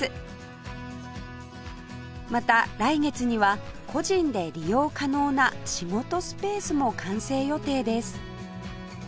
また来月には個人で利用可能な仕事スペースも完成予定です